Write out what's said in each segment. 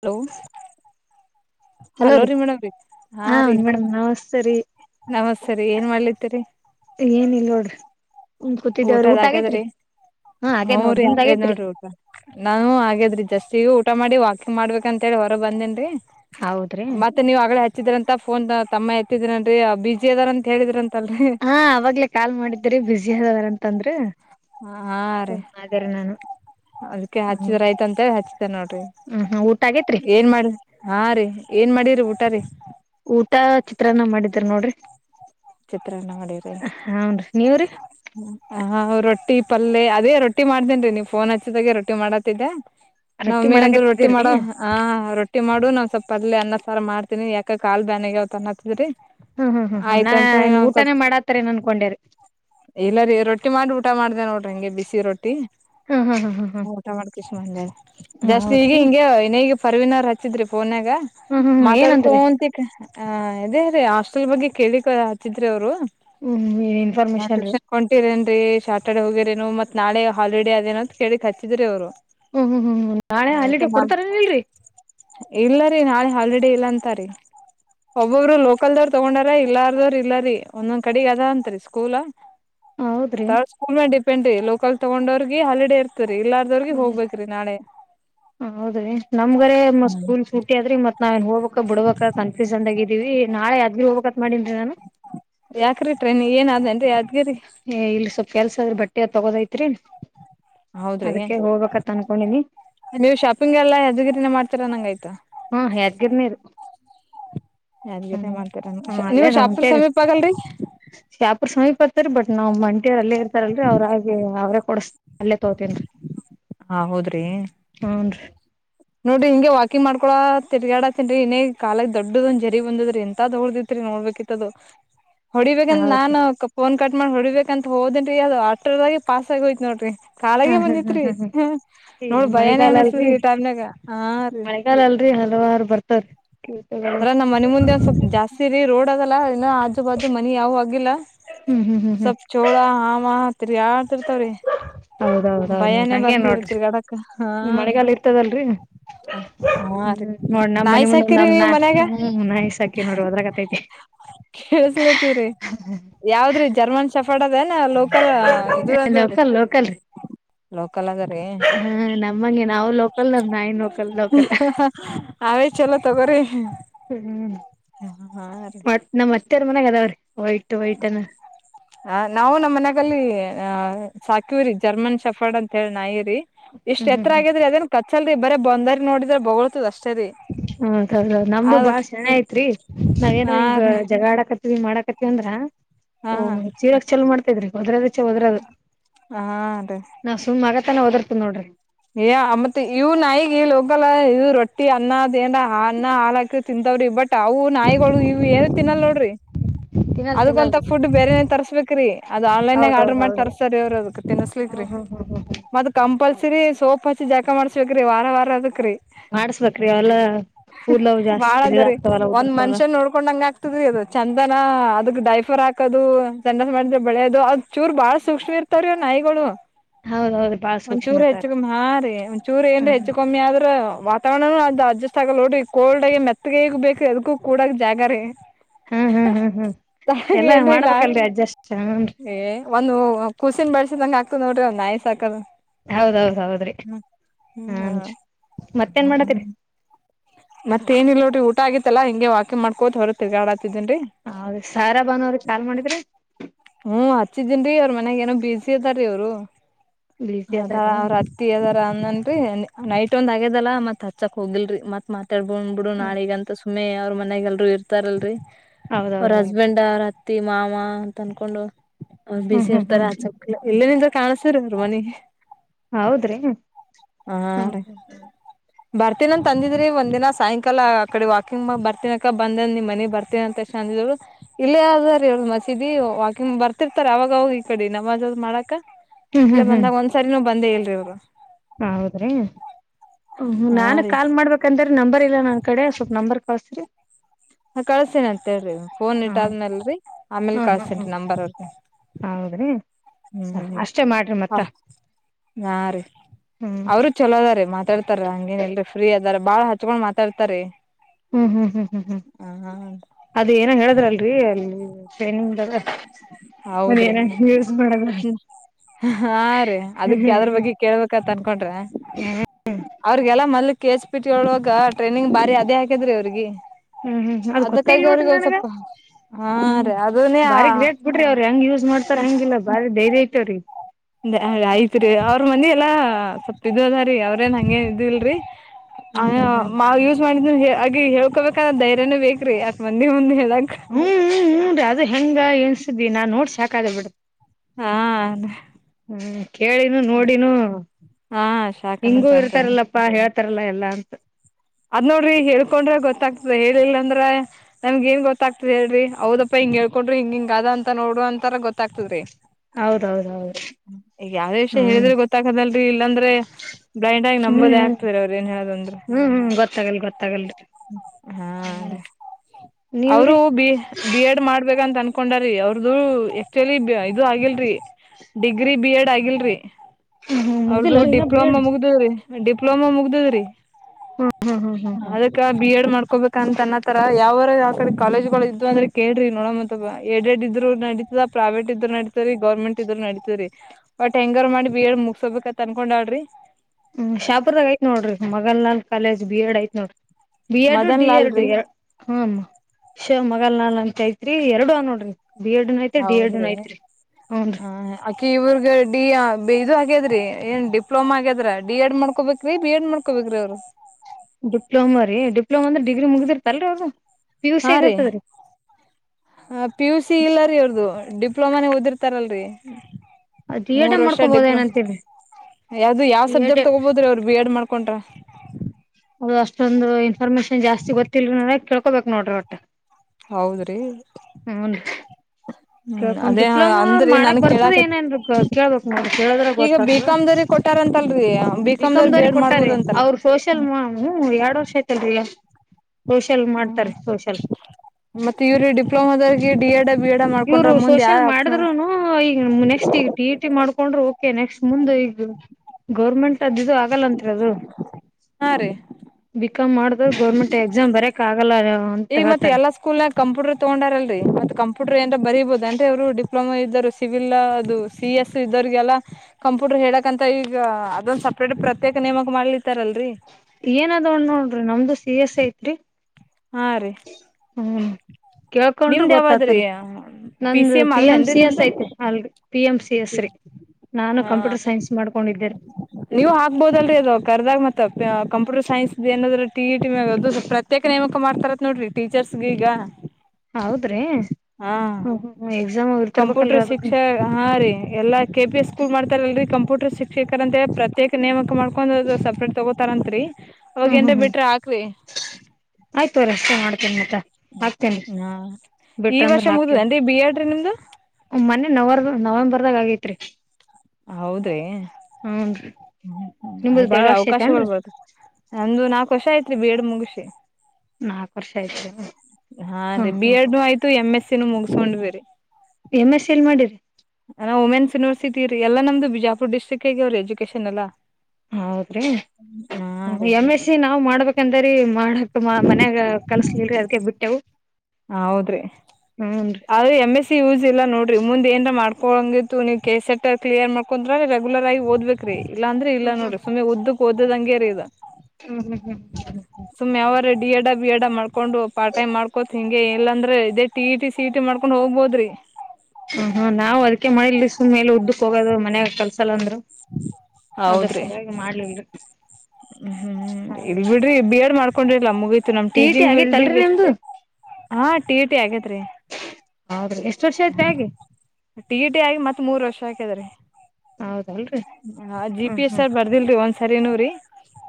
Hello hello ರರಿ ಮೇಡಮ್ರರಿ ಹಾ ರರಿ ಮೇಡಮ್ ನಮಸ್ತೆ ರೀ ನಮಸ್ತೆರಿ ಏನ್ ಮಾಡ್ಲತಿರಿ ಏನಿಲ್ಲ ನೋಡ್ರಿ ಹಮ ಕೂತಿದ್ದೆ ಅವ್ರ ಊಟ ಆಗೇತ್ರಿ ಹಾ ಹ ಆಗೇತ್ ನೋಡ್ರಿ ರೀ ನಿಮ್ದ್ ಹಾಗೇ್ ಆಗೇತ್ರಿ ನೋಡ್ರಿ ಊಟಾ ನಾನು ಹಾಗಗೇದ್ರಿ ಜಾಸ್ತಿ ಸಿಗ ಊಟ ಮಾಡಿ ವಾಕಿಂಗ್ಬೇಕ ಅಂತ ಹೇಳಿ ಹೊರ ಬಂದೇನ್ರರಿ ಹೌದ್ರಿ ಮತ್ತೆ ನೀವ್ ಅಗ್ಳ ಹಚ್ಚಿದ್ರಂತ ಫೋನ್ ತಮ್ಮ ಎತ್ತಿದೀರನ್ರಿ ಬಿಜಿ ಅದಾರ ಅಂತ ಹೇಳಿದ್ರಂತಲ್ರಿ ದವಾರ ಅಂತಂದ್ರೆ ಹಾ ರೀ ಚನ್ನಾಗ್ಯಾರ ನಾನು ಅದಕ್ಕೆ ಹ್ಮ್ ಹಚ್ಚಿದ ರೈತ ಅಂತ ಹಚ್ಚಿದಾರ ನೋಡ್ರಿ ಹ್ಮ್ ಹ್ಮ್ ಊಟ ಆಗೇತ್ರಿ ಏನ್ ಮಾಡ ಹಾ ರೀ ಏನ್ ಮಾಡಿರಿ ಊಟ ರೀ ಊಟ ಚಿತ್ರನ್ನ ಮಾಡಿದ್ರ ನೋಡ್ರಿ ಚಿತ್ರನ್ನ ಮಾಡಿದ್ರಿ ಹನ್ರಿ ನೀವ್ರಿ ರೊಟ್ಟಿ ಪಲ್ೆ ಅದೇ ರೊಟ್ಟಿ ಮಾಡ್್ದೇನ್ೀ ನೀವ್ ಫೋನ್ ಹಚ್ಚಿದಾಗೆ ರೊಟ್ಟಿ ಮಾಡತಿದ್ದೆ ನಾವ ರೊಟ್ಟಿ ಮೇ ಒಂದ ರೊಟ್ಟಿ ಮಾಡಾಕತ್ತಿದ್ದೀರಿ ಮಾಡೋ ಹ ರೊಟ್ಟಿ ಮಾಡು ನಾವ್ ಸ್ವಲ್ಪ ಅಲ್ಲ ಅನ್ನ ಸರ ಮಾಡ್ತೀನಿ ಯಾಕ ಕಾ ಬ್ಯಾನಾಗಾವ್ ಅ ಹತ್ತಿದ್ರರಿ ಹ್ಮ್ ಹ್ಮ್ ಹ್ಮ್ ಹ್ಮ್ ನಾ ಏನ್ ಊಟನೇ ಮಾಡಾತಾರ ಏನ್ ಅನ್ಕೊಂಡ್ರ ಇಲ್ಲ ರೀ ರೊಟ್ಟಿ ಮಾಡಿ ಊಟ ಮಾಡಿದೆ ನೋ್ರಿಗೆ ಬಿಸಿ ರೊಟ್ಟಿ ಹ್ಮ್ ಹ್ಮ್ ಹ್ಮ್ ಹ್ಮ್ ಊಟ ಮಾಡತಷ್ಮ ಹ್ಮ್ ಜಾಸ್ತಿ ಹೌದ್ರಿ ಈಗ ಹಿಂಗಗ ಪರ್ವಿನವ್ರ ಹಚ್ಚಿದ್ರಿ ಫೋನ್ಾಗ ಹ್ಮ್ ಹ್ಮ್ ಹ್ಮ್ ಏನಂದ್ರಿ ಮಾತಾಡ್ಕೊಂತ ಹ ಅದೇ ರೀ ಹಾಸ್ಟೆಲ್ ಬಗ್ಗೆ ಕೇಳಿ ಹಚ್ಚಿದ್ರಿ ಅವ್ರು ಹ್ಮ್ ನಾ ಇನ್ಫಾರ್ಮೇಶನ್ ರೀ ಟ್ಯೂಷನ್ ಕೊಂತೀರ ೀ ಶ್ಯಾಟರ್ಡೆ ಹೋಗಿರೇನು ಮತ್ ನಾಳೆ ಹಾಲಿಡಡೆ ಅದೇನನು ಅಂತ ಕೇಳಿಕ್ ಹಚ್ಚಿದ್ರಿ ಅವ್ರು ಹ್ಮ್ ಹ್ಮ್ ಹ್ಮ್ ಹ್ಮ್ ನಾಳೆ ಅಲ್ಲಿಿಟ ಕೊಡ್ತಾರನ ಇಲ್ರರಿ ಇಲ್ಲರಿ ನಾಳೆ ಹಾಲಿಡೇ ಇಲ್ಲ ಅಂತಾರಿೀ ಒಬ್ಬೊಬ್ರು ಲೋಕಲ್ದವ್ರು ತಗೊಂಡಾರ ಇಲ್ಲಾರದವರು ಇ ಇಲ್ಲ ರೀ ಒಂದೊಂದ್ ಕಡೆ ಅದ ಅಂತರಿ ಸ್ಕೂಲ್ ಹೌದ್ರಿ ಸ್ಕೂಲ್ ಮ ಡಿಪೆಂಡ್ೀ ಲೋಕಲ್ ತಗೊಂಡೋರ್ ಹಲಡೆ ಇತ ದವರ್ಗೆ ಹೋಗ್ಬೇಕ್ರಿ ನಾಳೆ ಹೌದ್ರೀ ನಮ್ಗರ ಮತ್ ಸ್ಕೂಲ್ ಶುಟಿ ಆದ್ರಿ ಮತ್ ನಾವ ಏನ್ ಹೋಗ್ಬೇಕಕ್ ಬಿಡ್ಬಬೇಕ ಕನ್ಫ್ಯೂಸನ್ ಆಗಿದ್ದೀವಿ. ನಾಳೆ ಅ್ ಹೋಗ. ಯಾಕ್ರಿಟ್ರ ನೀ ಏನಾದಂತ. ಏ ಇಲ್ಲಿ ಸ್ವಲ್ಪ ಕೆಲ್ಸ ಆದ್ರೆ ಬಟ್ಟೆ ತಗೋದೈತ್ರಿ. ಹೌದ್ರಿ ಅದಕ್ಕೆ ಹೋಗ್ಬೇಕತ್ ಅನ್ಕೊಂಡಿನಿ ನೀವು ಶಾಪಿಂಗ್ ಎಲ್ಲ ಎದಗಿರಿನ ಮಾಡ್ತರಾ ನಂಗ ಆಯ್ತಾ. ಹಾ ಹಗರನೇರು. ಯ್ಗನೆ ಮಾಡ್ತೀರ ನೀವ್ ಶಾಪ್ರ ಸಮೀಪ ಆಗಲ್ರಿ. ಒ್ರ ಸಮೀಪ ಹತ್ತಾರ ಬಟ್ ನಾವ್ ಮಂಟಿಯರ್ ಅಲ್ಲೇ ಇರ್ತಾರಲ್ರಿ ಅವ್ರ ಹಾಗಿ ಅವ್ರೇ ಕೊಡಸ್ ಅಲ್ಲೇ ತಗೋತನ್ರಿ. ಹಾ ಹೌದ್ರಿ. ನೋಡ್ರಿಂಗೆ ವಾಕಂಗ ಮಾಡಕೊಳಾ ತಿರ್ಗಾಡಾ ತಿನ್್ರಿ ಇನೇ ಕಾಲ ದೊಡ್ಡ್ ಒಂದ ಜರಿ ಬಂದದ್ರಿ ಎಂತ ದೋಡ್ದಿತ್ರಿ. ನೋಡ್ಬೇಕಿತ್ತದು. ಹೊಡಿಬೇಕಂದ ಹೌದ್ರಿ ನಾನ್ ಫೋನ್ ಕಟ್ ಮಾಡಿ ಹೊಡಿಬೇಕಂತ ಹೋದೇನ್ೀ ಅದು ಆಟ್ರದಾಗಿ ಪಸ್ ಆಗೋಯ್ತ್ ನೋಡ್ರಿ. ಹಾ ಶಾಳೆಗೆ ಹಾ ಹಾ ಬಂದಿತ್ರಿ ಹಾ ಹಾ ಈಗ ನೋಡ್ ಭಯಾನೇ ಮಳಿಗಾಲ ಅಲ್ರಿ ಅನಸರಿ ಈ ಟಮ್ನಾಗ ಹಾ ರೀ. ಅ ಹಲವಾರು ಬರ್ತವ್ರೀ. ಅರ ನಮ್ಮ್ ಮನೆ ಮುಂದೆ ಒಂದ್ ಸ್ವಲ್ಪ ಜಾಸ್ತಿ ಇ ರೀ ರೋಡ್ ಅದಲ್ಲ. ಇಲ್ಲ ಆಜು ಬಾಜು ಮನಿ ಯಾವ ಆಗಿಲ್ಲ ಹ್ಮ್ ಹ್ಮ್ ಹ್ಮ್ ಹ್ಮ್ ಸ್ವಪ್ ಚೋಳ ಹ. ರಿ ಯಾರತಿರ್ತಾವ್ರೀ. ಹೌದೌದೌದ್ ನ ಹೇನ್ ನೋಡ್ರಿ ಹಾ ರೀ ಮಳೆಗಾಲ ಇರ್ತದಲ್ರಿ. ಹಾ ರೀ ಹ್ಮ್ ನೋಡ್ಣ ಮನ ನಾಯಿ ಸಾಕಿರಿ ಮುಂದೊಂದಮ್ಮನ. ನೀವ್ ಮನ್ಯಾಗ ಹ್ಮ್ ನಾ್ಕಿ ನೋಡ್ುವ ಅದ್ರ ಗತೈತಿ. ಕೇಳ್ಸ್ಲತಿವ್ರೀ ಯಾವದ್ರಿ ಜರ್ಮನ್. ಶಫರ್ಡ್ ಲೋಕಲ್ ಇದದುರ ಅದ ರೀ. ಲೋಕಲ್ ಲೋಕಲ್ ರೀ ಲೋಕಲ್ ಆಗ ರೀ. ಹ ನಮ್ಮಂಗೆ ನಾವು ಲೋಕಲ್ ನಮ್ ನಾಯಿ ಲೋಕಲ್ ಲೋಕಲ್ ಅವ ಚಲೋ ತಗರಿ. ಹ್ಮ್. ಹಾ ರೀ. ರ್ ಮನಾಗ ಅದಾವ್ರೀ ವೈಟ್ ವೈಟ್ ಅನ್ನ. ಹ ನಾವು ನಮ್ಮ್ ಮನಾಗಲ್ಲಿ ಅ ಸಾಕಿವರಿ ಜರ್ಮನ್ ಶಫಡ್ ಅಂತ ಹೇಳಿ ನಾಯಿರಿ. ಇಷ್ಟ್ ಹ್ಮ್ ಎತ್ತರ ಹ್ಮ್ ಆಗಿದ್ರೆ ಅದೇನ್ ಕಚ್ಚಲ್ ಬರ ಬಂದಾರಿ ನೋಡಿದ್ರೆ ಬಗೊಳ್ತದ ಅಷ್ಟ್. ಹೌದೌದೌದು ನಮ್ದು ಬಾಳ್ ಚೆಣ ಐತ್ರಿ ನಾವ್ೇಏನ ಹಾ ಹಿಂಗ ರೀ ಜ ಆಡಕ. ಮಾಡಕತಿ ಅಂದ್ರ ಹಾ ಚೀರಾಕ್ ಚಲ ಮಾಡ್ತಿದ್ರಿೊದ್ರ. ಒದರದು ಹಾ ರೀ ನಾ ಸುಮ್ ಮಗತಾನೆ ದರ್ತನ ನೋಡ್ರಿ. ಏ ಮತ್ತೆ ಇವ್ ನಾಯಿಗ ಇಲ್ಲಿ ಹೋಗಲ್ಲ ಇ ರೊಟ್ಟಿ ಅನ್ನದೇಏನ ಅನ್ನ ಹಾಲಕ ತಿಂತವ್ರಿ ಬಟ್. ಅವು ನಾಯಿಗಳು ಇವು ಏನು ತಿನ್ನಲ್ ನೋಡ್ರಿ. ತಿನ್ನಲ್ ಅದಂತ ತಿನ್ನಲ್ರಿ ಫುಡ್ ಬೇರೆನೇ ತರ್ಸ್ಬೇಕಕ್್ರೀ ಅದು ಆನ್ಲೈನ್ಾಗ ಹೌದೌದ್ ಆರ್ಡ್ರ್ ಮಾಡಿ ಹೌದ್ರಿ ತರ್ಸ್ತಾರಿೀ ಅವ್ರು ಅದ ಹ್ಮ್ ತಿನ್ನಿಸಲಿಕ್್ರೀ. ಹ್ಮ್ ಹ್ಮ್ ಹ್ಮ್ ಮತ್ ಕಂಪಲ್ಸರಿ ಸೋಫ ಹಚ್ಚಿ ಜಕ ಮಾಡ್ಸ್ಬೇಕ್ರಿ ವಾರ ವಾರ ಅದಕ್್ರೀ. ಮಾಡಸ್ಬೇಕ್ರೀ ಅವಲ್ಲ. ಬಾಳ ಅದರಿೀ ಒಂದ್ ಮನ್ಷ್ಯನ್ ನೋಡ್ಕೊಂಡ್ ಹಂಗ ಆಗ್ತದ್ರಿ ಅದು ಚಂದನ ಅದಕ್ ಡೈ. ರ್ ಹಾಕೋದು ಸಂಡಸ್ ಮಾಡಿದ್ರೆ ಬೆಳ ಅದು ಅ್ ಚೂರ್ ಬಾಳ ಸೂಕ್ಷ್ಮ ಇರ್ತಾರ ನಾಯಿಗಳು. ಹೌದೌದು ಬಾಳ ಸೂಕ್ಷ್ಮತ. ಹೆಚ್ಚ ಕಮ್ಮಿ ಹಾ ರೀ ಒ ಚೂರುಏಂದ್ರೆ ಹೆಚ್ಚು ಕಮ್ಮಿ ಆದ್ರೂ. ವಾತಾವರಣ ಅ ಅಡ್ಜಸ್ಟ್ ಆಗಲ್ಲ ನೋಡಿಿ ಕೋಲ್ಡ್ ಆಗಿ ಮೆತ್ತಗೆಗ್ ಬೇಕು ಅದಕ್ಕೂ ಕೂಡ ಜಾಗ ರೀ. ಹ್ಮ್ ಹ್ಮ್ ಹ್ಮ್ ಹ್ಮ್ [unintelligible] ಎಲ್ಲಾ ಏನಿಲ್ಲ ಮಾಡ್ಬೇಕಲ್ರರಿ ಅಡ್ಜಸ್ಟ್ ಹನ್ರಿ ಹೇ ಒಂದು ಕುೂಸಿನ ಬೆಳೆಸಿದಂಗೆ ಆಕತ ನೋಡ್ರಿ ಒಂದು ನಾಯಿ ಸಾಕೋದು ಹೌದ್ೌದ್ ಹೌದ್ರಿ ಹನ್ರಿ ಹ್ಮ್ ಮತ್ತೇನ್ ಮಾಡತ್ತರಿ. ಮತ್ತೇ ನ ಇಿಲ್ಲೋ್ರಿ ಊಟ ಆಗತ್ತಲ್ಲಾ ಹಂಗೆ ವಾಕಂಗ ಮಾಡ್ಕೋತ ಹೊರ ತಿರ್ಗಾಡ. ಹದ ಸಾರಾ ಬಾನ ಅವ್ರ ಕಾಲ್ ಮಾಡಿದ್ರಿ. ಹ್ಮ್ ಹಚ್ಚಿದೀನ್ರೀ ಅವ್ರ ಮನ್ಯಾಗ ಏನೋ ಬೀಸಿ ಅದಾರೀ ಅವ್ರು. ಬಿಸಿ ಅದ ಅದಾರಿ ಅವ್ರ ಅತ್ತಿ ಅದಾರ ಅಂದನ್ರಿ. ನೈಟ್ ಒ್ ಆಗ್ಯದಲ್ಲ ಮತ್ ಹಚ್ಚಕ್ ಹೋಗಿಲ್ರರಿ ಮತ್ ಮಾತಾಡ್ಬಿ್ಬಿಡು ಹ್ಮ್ ನಾಳೀಗಂತ ಸುಮ್. ಅವ್ರ ಮನೆಗೆಲ್ರು ಇರ್ತಾರಲ್ರರಿ ಅವ್ರ ಹೌದೌದೌದು ಹಸ್ಬೆಂಡ್ ಅವ್ರ ಅತ್ತಿ ಮಾಮ ಅಂತ ಅನ್ಕೊಂಡು. ಹ ಹ್ಮ್ ಬಿಸಿ ಹ್ಮ್ ಇರ್ತಾರ ಹ್ಮ್ ಆ ಚಕ್ ಎಲ್ಲ ನಿಂದ್ರ ಕಾಣಸ್ತರ ಅವ ಮನಗೆ. ಹ್ಮ ಹ್ಮ ಬರ್ತೀನಂದ ತಂದಿದ್ರಿ ಒಂದ ದಿನ ಸಾಯಂಕಾಲ ಆ ಕಡೆ ವಾಕಿಂಗ್ ಬರ್ತೀನಕ್ಕ ಬಂದ್ ನಿಮ್ಮ ಮನೆಗ್ ಬರ್ತೀನ ಅಂತಷ್ಟ ನಂದಿದವಳು ಇಲ್ಲೇ ಆದ್ರ ಅವಳು ಮಸೀದಿ ವಾಕಿಂಗ್ ಬರ್ತಿರ್ತಾರೆ ಅವಾಗ ಅವಾಗ ಈ ಕಡೆ ನಮಾಜ್ದ್ ಮಾಡಕ ಇಲ್ಲ ಹ್ಮ್ ಹ್ಮ್ ಬಂದಾಗ ಒಂದ್ಸರಿನೂ ಬಂದೇ ಇಲ್ರಿ ಅವ್ರು ಹೌದ್ರಿ ಹಾ ನಾನ ರೀ ಕಾಲ್ ಮಾಡ್ಬೇಕಂದ್ರೀ ನಂಬರ್ ಇಲ್ಲ ನನ್ ಕಡೆ ಸ್ವಲ್ಪ ನಂಬರ್ ಕಳ್ಸ್ರಿ ಹಾ ಕಳಿಸ್ತೀನಿ ಅಂತ ಹೇಳ್ರಿ ಫೋನ್ ಇಟ್ಟ ಆದ್ಮೇಲ್ರಿ ಆಮೇಲ್ ಹ್ಮ್ ಹ್ಮ್ ಹ್ಮ್ ಕಳ್ಸೇನ್ರಿ ನಂಬರ್ ಅವ್ರಗೆ ಹೌದ್ರಿ ಹ್ಮ್ ಅಷ್ಟೇ ಮಾಡ್ರಿ ಹ ಮತ್ತ ಆ ಹರೀ ಹ್ಮ್ ಅವರು ಚಲೋದಾರ ಮಾತಾಡ್ತಾರ ಹಂಗೇನ್ಲ್ರ ಫ್ರೀ ಅದಾರ ಬಾಳ ಹಚ್ಕೊಂಡ್ ಮಾತಾಡ್ತಾರೆ ಹ್ಮ್ ಹ್ಮ್ ಹ್ಮ್ ಹ್ಮ್ ಹ್ಮ್ ಅದ ಏನಂಗ ಹೇಳದ್ರ ಅಲ್ರಿ ಅಲ್ಲಿ ಮತ್ತೆ ಏನಾರ ಹೇಳು ಹ್ಮ ಹಾ ರೀ ಅದಕ್ಕೆ ಅ್ರ ಬಗ್ಗೆ ಹ್ಮ್ ಕೇಳ್ಬೇಕತ್ ಅನ್ಕೊಂಡ್ರೆ ಅವ್ರಿಗೆಲ್ಲ ಮದ್ಲಿ ಕೆ ಎಚ್ ಪಿ ಒಳ್ಳಗ ಟ್ರೈನಿಂಗ್ ಬಾರಿ ಅದೇ ಹಾಕಿದ್ರಿ ಅವ್ರಿಗೆ ಹ್ಮ್ ಅದ್ ಗೊತ್ತೇ ಇಲ್ ಅದಕ್ಕಾಗಿ ನೋಡ್ರಿ ಅವ್ರರಿಗೆ ನನಗ ಸ್ವಲ್ಪ ಹಾರೀ ಅದುನೇ ಹೆಂಗ ಯೂಸ್ ಮಾಡ್ತಾರ ಹೆಂಗಿಲ್ಲ ಬಾರಿ ಧೈರ್ಯ ಐತೆವ್ರೀ ಆಯ್ತ್ರಿ ಅವ್ರ ಮನಿ ಎಲ್ಲಾ ಸ್ವಲ್ಪ ಇದ್ದು ಆದರಿ ಅವ್ರೇನ್ ಹಂಗ ಇದಿಲ್ರಿ ಹ್ಮ್ ಹ್ಮ್ ಹ್ಮ್ ಯಸ್ ಮಾಡ ಹಾಗೆ ಹೇಳಿ ಹಕೋಬೇಕ ಧೈರ್ಯನೇ ಬೇಕ್ರಿ ಅಷ್ಟ್ ಮಂದಿ ಮುಂದೆ ಹೇಲೋಕೇ ಹುನ್ರಿ ಅದು ಹೆಂಗ ಎನ್ಸಿದಿ ನಾನ್ ನೋಡ್ಸ ಸಾಕಗದ ಬಿಡು ಹಾ ಹ್ಮ್ ಕೇಳಿನು ನೋಡಿನು ಹಾ ಶಾಕ್ ಹಿಂಗೂ ಅನಸ್ತನ್ರಿ ಇರ್ತಾರಲ್ಲಪ್ಪ ಹೇಳ್ತಾರಲ್ಲ ಎಲ್ಲಾ ಅಂತ ಅದ್ ನೋಡ್ರಿ ಹೇಳ್ಕೊಂಡ್ರೆ ಗೊತ್ತಾಗ್ತದೆ ಹೇಳಿಲ್ಲ ಅಂದ್ರ ನಮ್ಗ ಏನ್ ಗೊತ್ತಾಗ್ತದೆ ಹೇಳ್ರಿ ಹೌದಪ್ಪ ಹಿಂಗ ಹೇಕೊಂಡ್ರಿಂಗ ಹಿಂಗ ಅದ ಅಂತ ನೋಡು ಅಂತ ಆದ್ರು ಗೊತ್ತಗದೆ ಹೌದೌದೌದು ಈಗ ಯಾವದೇ ವಿಷಯ ಹ್ಮ್ ಹೇಳಿದ್ರೆ ಗೊತ್ತಾಗದಾಲ್ ಇಲ್ಲಾಂದ್ರೆ ಬ್ಲೈಂಡ್ ಆಗಿ ಹ್ಮ್ ನಂಬೋದೇ ಆಗ್ತವರ ಅವ್ರರು ಏನ್ ಹೇಳದ ಅಂದ್ರೆ ಗೊತ್ತಾಗಲ್ಲ ಗೊತ್ತಾಗಲ್ರಿ ಹಾದ ಹ್ಮ್ ಅವರು ನೀವ್ರಿ ಬಿ ಬಿಎಡ್ ಮಾಡ್ಬೇಕಂತ ಅನ್ಕ ಕೊಂಡೀರೀ ಅವ್ರದು ಆಕ್ಚುಲಿ ಇದು ಆಗಿಲ್ರಿ ಡಿಗ್ರಿ ಬಿ ಎಡ್ ಆಗಿಲ್ರಿ ಹ್ಮ್ ಹ್ಮ್ ಅವ್ರ್ದು ಮುಗ್ದಿಲ್ಲ ಇನ್ನ ಬಿ ಡಿಪ್ಲೊಮಾ ಎಡ್ ಮುಗ್ದದ್ರಿ ಡಿಪ್ಲೋಮಾ ಮುಗ್ದದ್ರಿ ಹ್ಮ ಹ್ಮ ಹ್ಮ್ ಹ್ಮ ಹ್ಮ ಅದಕ್ಕ ಬಿ ಎಡ್ ಮಾಡ್ಕೋಬೇಕ ಅಂತ ಅನ್ನತರ ಯಾವಾರ ಯಾವಕಡೆ ಕಾಲೇಜ್ಗಳು ಇದು ಅಂದ್ರೆ ಕೇಳ್ರಿ ನೋಡ ಮ ಎಡ್ ಎಡ್ ಇದ್ರು ನಡೀದ ಪ್ರೈವೇಟ್ ಇದ್ರು ನಡೀತ ಸರಿ ಗೌರ್ಮೆಂಟ್ ಇದ್ರರು ನಡಿತತಿವ್ರೀ ಬಟ್ ಹೆಂಗಾರ ಮಾಡಿ ಬಿ ಎಡ್ ಮುಗಿಸೋಬೇಕತ್ ಅನ್ಕೊಂಡಾಳ್ರಿ ಹ್ಮ್ ಶಾಪುರ್ದಾಗ ಐತಿ ನೋಡ್ರಿ ಮಗಲ್ ನಲ್ ಕಾಲೇಜ್ ಬಿ ಎಡ್ ಐತ್ ನೋಡ್ರಿ B Ed Madan D Lal Ed ರೀ ಎರಡು ಶಿವ್ ಮಗಲ್ ನಾಳ ಅಂತ ಐತ್ರಿ ಎರಡು ನೋಡ್ರಿ ಬಿ ಎಡ್ ನು ಐತ್ರಿ ಡಿ ಎಡ್ ನು ಹೌದ್ರಿ ಐತ್ರಿ ಹ ಡಿ ಇದು ಆಗ್ಯದ್ರೀ ಏನ್ ಡಿಪ್ಲೋಮಾ ಆಗ್ಯದ್ರ ಡಿ ಎಡ್ ಮಾಡ್ಕೋಬೇಕ್ರೀ ಬಿ ಎಡ್ ಮಾಡ್ಕೋಬೇಕ ರು ಡಿಪ್ಲೊಮಾ ರೀ ಡಿಪ್ಲೊಮಾ ಅಂದ್ರೆ ಡಿಗ್ರಿ ಮುಗ್ದಿರ್ತಲ್ರಿ ಅವದು ಹಾ ರೀ ಪಿಯುಸಿ ಇಲ್ಲ ರೀ ಅವ್ರದು ಡಿಪ್ಲೊಮಾನೆ ಓದಿರ್ತಾರಲ್ರರಿ ಅದ್ ಡಿ ಎಡ್ ಮೂರ್ ವರ್ಷ ಮಾಡ್ಕೋಬೋದ ಡಿಪ್ಲೋಮ ಏನಂತೀರಿ ಯಾವ್ದು ಯಾವ್ ಡಿ ಎಡ್ ಸಬ್ಜೆಕ್ಟ್ ತಗಬೋದ್ರ ಅವರು ಬಿ ಎಡ್ ಮಾಡ್ಕ ಕೊಂಡ್ರ ಅದು ಅಷ್ಟೊಂದು ಇನ್ಫಾರ್ಮೇಶನ್ ಜಾಸ್ತಿ ಗೊತ್ತಿಲ್ರಿ ನ ಕೇಳ್ಕೊಬೇಕ್ ನೋಡ್ರಿ ಒಟ್ಟ ಹೌದ್ರಿ ಹ್ಮ್ ಹ್ಮ್ ಕೇಳ್ಕೊಂಡ್ ಅದೇ ಡಿಪ್ಲೊಮೋ ಅವರು ಅಂದ್ರಿ ನನ್ ಮಾಡಕ್ ಬರ್ತದ ಕೇಳಾಕತ್ ಏನೇನ್ ಕೇಳ್ಬೇಕಕ್ ನೋಡ್ರಿ ಕೇಳದ್ರ ಈಗ ಗೊತ್ತಾಗ್ತದ ಬಿಕಾಮ್ದವ್ರಿಗೆ ಕೊಟ್ಟಾರಂತಲ್ರರಿ ಬಿ ಕಂ ಬಿಕಾಮ್ದವ್ರ ದಾಗ ಎಡ್ ಕೊಟ್ಟಾರೀ ಮಾಡ್ಬೋದಂತಲ್ಲ ಅವರು ಸೋಷಲ್ ಎರಡು ವರ್ಷ ವರ್ಷ ಆಯ್ತಲ್ಲರೀ ಹ್ಮ ಮತ್ತೆ ಇವ್ರ ಡಿಪ್ಲೊಮದವರಿಗೆ ಡಿ ಎಡ್ ಬಿ ಎಡ್ ಮಾಡ್ಕೊಂಡ್ರ ಇವ್ರು ಮುಂದ್ ಯಾವ ಸೋಷಲ್ ಆಪ್ಷನ್ ಮಾಡಿದ್ರುನು ಈಗ ನೆಕ್ಸ್ಟ್ ಈಗ ಟಿ ಇ ಟಿ ಮಾಡ್ ಕೊಂಡ್ರೆ ಓಕೆ ನೆಕ್ಸ್ಟ್ ಮುಂದ ಈಗ ಗೌರ್ಮೆಂಟ್ ದು ಆಗಲ್ಲ ಅಂತರದು ಹಾ ರೀ ಬಿಕಾಮ್ ಮಾಡ ಗೌರ್ಮೆಂಟ್ ಎಕ್ಸಾಮ್ ಬರ ಈಗ ಮತ್ತೆ ಎಲ್ಲ ಸ್ಕೂಲ್ನಾಗ ಕಂಪ್ಯೂಟರ್ ತಗೊಂಡಾರಲ್ರಿ ಮತ್ ಕಂಪ ಕಂಪೂಟರ್ ಎಂತ ಬರೀಬಹುದು ಅಂದ್ರೆ ಅವರು ಡಿಪ್ಲೊಮಾ ಇದ್ದರು ಸಿವಿಲ್ ಅದು ಸಿ ಎಸ್ ಇದರಿಗೆಲ್ಲ ಕಂಪ್ಯೂಟರ್ ಹೇಳಕ್ಂತ ಈಗ ಅದೊಂದು ಸಪ್ರೇಟ್ ಪ್ರತ್ಯೇಕ ನೇಮಕ ಮಾಡ್ಲಿ ಏನದವ ನೋಡ್ರಿ ನಮ್ದು ಸಿ ಎಸ್ ಐತ್ರಿ ಹಾ ರೀ ಕೇಳ್ಕೊಂಡ್ರರು ನಿಮ್ದ್ ಯಾವಾದ್ರಿ ಗೊತ್ತತರಿ ನಂದು ಸಿ ಪಿ ಎಂ ಅಲ್ಲೇನ್ರಿ ಸಿ ಎಸ್ ನಿಮ್ದು ಐತಿರಿ ಅಲ್ರಿ ಪಿ ಎಂ ಸಿ ಎಸ್ರಿ ನಾನು ಹಾ ಕಂಪ್ಯೂಟರ್ ಸೈನ್ಸ್ ಮಾಡ್ಕೊಂಡಿದ್ದೆನೆ ಂಪ್ಯೂಟರ್ ಸೈನ್ಸ್ ಏನಾದ್ರ ಟಿ ಇಟಿ ಮದು ಪ್ರತ್ಯೇಕ ನೇಮಕ ಮಾಡ್ತಾರತ್ ನೋಡ್ರಿ ಟೀಚರ್ಸ್ಗೆ ಈಗ ಹೌದ್ರಿ ಹಾ ಹ ಹ ಎ ಕಂಪ್ಯೂಟರ್ ಶಿಕ್ಷಾ ಹಾ ರೀ ಎಲ್ಲಾ ಕೆ ಪಿ ಎಸ್ ಸ್ಕೂಲ್ ಮಾಡ್ತಾರಲ್ರರಿ ಕಂ ಪಟ್ರ ಶಿಕ್ಷಕರ ಅಂತ ಪ್ರತ್ಯೇಕ ನೇಮಕ ಮಾಡ್ಕೊಂಡು ಅದು ಸಪ್ರೇಟ್ ತಗೋತಾರಂತ ರರಿ ಅವಾಗ ಹ್ಮ್ ಹ್ಮ್ ಎಂಡ ಹ್ಮ್ ಬಿಟ್ರ ಹಾಕ್ಲಿ ಹಾಕ್ತೇನಿ ಈ ಬಿಟ್ರಂದ್ರ ವರ್ಷ ಹಾಕ್ತೇನಿ ಮುಗ್ದದನ್ರಿ ಬಿ ಎಡ್ ರೀ ನಿಮ್ದು ಮನೆ ನವರ್ ನವೆಂಬರ್ದಾಗ ಆಗೈತ್ರಿ ಹೌದೀ ನಿಮ್ದ ಆಯ್ತ ಬಾಳ ಹೇಳ್ರ ವರ್ಷ ಅವಕಾಶಗಳು ಐತೆೇನ್ರರಿ ಬಾರದ ನಂದು ನಾಕು ಹೊಷ ಐತ್ರಿ ಬೇಡ್ ಮುಗಸಿ ನಾಕು ವರ್ಷ ಆಯ್ತು ಹಾ ಅೀ ಬಿ ಎಡ್ನು ಆಯ್ತು ಎಮ್ ಎಸ್ಸಿನ ಮುಗಸ್ಕೊಂಡ್ಬರಿ ಎಮ್ ಎಸ್ ಸಿ ಎಲ್ ಮಾಡಿರಿ ಅ ಉಮೆನ್ಸ್ ಯುನರ್ಿಟಿ ರರಿ ಎಲ್ಲ ನಮ್ದು ಬಿಜಾಪುರ್ ಡಿಸ್ಟ್ರಿಕ್ಗ ಅವ್ರ ಎಜುಕೇಶಷನ್ಲ್ಲ ಹೌದ್ರಿ ರೀ ಎಮ್ ಎಸ್ ಸಿ ನಾವ್ ಮಾಡ್ಬೇಕಂದ್ರ ಮಾಡಕ ಮಾ ಮನ್ಯಾಗ ಕಲ್ಸಲಲ್ರಿ ಅದಕ ಬಿಟ್ಟೆವು ಹೌದ್ರಿ ಹೂನ್ರಿ ಆದ್ರೆ ಎಮ್ ಎಸ್ ಸಿ ಯೂಸ್ ಇಲ್ಲ ನೋಡ್ರಿ ಮುಂದ್ ಏನ್ ಮಾಡ್ಕೊಂಗಿತ್ತು ನೀವು ಕೇಸ್ ಎಟ್ ಕ್ಲಿಯರ್ ಮಾಡ್ಕೊಂಡ್ರೆಗುಲರ್ ಆಗ ಓದ್ಬೇಕ್ರೀ ಇಲ್ಲಾಂದ್ರೆ ಇಲ್ಲ ಹ್ಮ್ ಹ್ಮ್ ನೋಡ್ರ ಸುಮ್ ಉದ್ದ ಓದ ಹಂಗಗೆ ಇದು ಹ್ಮ್ ಹ್ಮ್ ಹ್ಮ್ ಹ್ಮ್ ಹ ಬಿ ಎಡ ಬಿ ಎಡ ಮಾಡಕೊಂಡು ಪಾರ್ಟ್ ಟೈ್ ಮಾಡ್ಕೋತ್ ಹಂಗೆ ಇಲ್ಲ ಅಂದ್ರೆ ಇದೇಟಿ ಟಿ ಚೀಟಿ ಮಾಡ್ಕೊಂಡ್ ಹೋಗ್ಬೋದ್ರಿ ಹ ಹಾ ನಾವ್ ಅದ್ಕ ಮಾಡಿಲ್ ಸುಮ್ಮ್ೇಲೆ ಉದ್ದಕ್ ಹೋಗೋದು ಮನ್ಯಾಗ ಕಲ್ಸ ಸಲಂದ್ರು ಅದ ಸಲಯಾಗಿ ಮಾಡ್ಲಿಲ್ರಿ ಹ್ಮ್ ಹ್ಮ್ ಇಲ್ ಬಿಡ್ರಿ ಬಿ ಎಡ್ ಮಾಡ್ಕೊಂಡ್ರಿಲ್ಲ ಮುಗೀತು ನಮ ಟಿ ಇ ಟಿ ಟೀಚಿಂಗ್ ಫೀಲ್ಡ್ಗೆ ಆಗೇತಲ್ರಿ ಎಷ್ಟ ನಿಮ್ದು ಹಾ ಟೀ ಟಿ ಆದ್ರೆಷ್ಟ ಹ ಟಿ ಟಿ ಆಗಿ ಮತ್ತತ್ ಮೂರ್ ವರ್ಷ ಹಾಕದ್ರಿ ಹೌದ ಹ ಜಿ ಪಿ ಎಸ್ ಸರ್ ಬರ್ದಿಲ್ರಿ ಒಂದ್ಸರಿನೂ್ರರಿ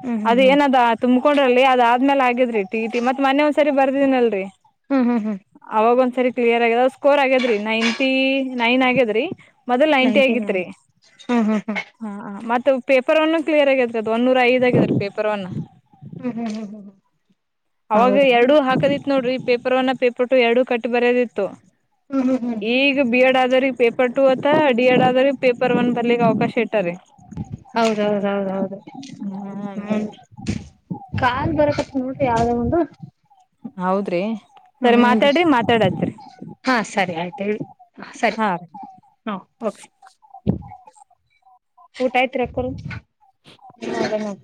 ಹ್ಮ್ ಹ್ಮ್ ಅದ್ ಹ್ಮ್ ಏನದ ತುಮ ಹಕೊಂಡ್ರಲ್ರಿ ಅದ ಆದ್ಮೇಲೆ ಆಗಿದ್ರಿಟ ಟ ಮತ್ ಮನೆ ಒಂದ್ಸರಿ ಬರ್ದಿನನಲ್ರಿ ಹ್ಮ್ ಹ್ಮ್ ಹ್ಮ್ ಸರಿ ಕ್ಲಿಯರ್ ಆಗ್ಯದ್ ಸ್ಕೋರ್ ಆಗ್ಯಾದ್ರಿ ನೈನ್ಟಿ ನೈನ್ ಆಗ್ಯದ್ರಿ ಮೊದಲ್ ಂಟಿ ನೈಂಟಿ ನೈನ್ ಆಗಿತ್ರಿ ಹ್ಮ್ ಹ್ಮ್ ಹ ಮ ಪೇಪರ್ ಒನ್ ಕ್ಲಿಯರ್ ಆಗ್ಯದ ಒಂದನ್ನೂರ ಐದ ಆಗದ ಪೇಪರ್ ಒನ್ ಹ್ಮ್ ಹ್ಮ್ ಹ್ಮ್ ಹ್ಮ್ ಹ್ಮ ಅವಾಗ ಎರಡೂ ಹಾಕದಿತ್ತು ನೋಡ್ರಿ ಪೇಪರ್ವನ್ನ ಪೇಪರ್ಟು ಎರಡುೂ ಕಟ್ಟಿ ಬರೋದಿತ್ತು ಹ್ಮ್ ಹ್ಮ್ ಈಗ ಬಿ ಎಡ್ ಆದ್ರ ಪೇಪರ್ ಟು ಅಥ ಡಿ ಎಡ್ ಆದ್ರ ಪೇಪರ್ ಒನ್ ದಲ್ಲಿ ಅವಕಾಶ ಇಟ್ಟತ ಹೌದೌದೌದೌದು ಹ್ಮ ಹ್ಮ್ ಕಾಲ್ ಬರಕತ್ ನೋಡ್ರಿ ಯಾವ್ದ ಒಂದು ಹೌದ್ರಿ ಸರಿ ಹ್ಮನ್ರಿ ಮಾತಾಡ್ರಿ ಮಾತಾಡತ್ರಿ ಹಾ ಸರಿ ಆಯ್ತು ಹೇಳಿ ಹ ಸರಿ ಹಾ ರೀ ಹಾ ಊಟ ಆಯ್ತ್ ರಕ್ಕ ಹ